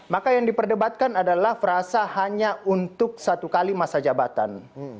maka yang diperdebatkan adalah frasa hanya untuk satu kali masa jabatan